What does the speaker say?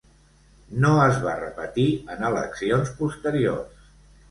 No es va repetir en eleccions posteriors.